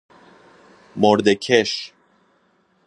مرده کش